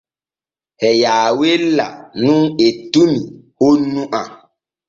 E yaawella nun ettumi honnu am.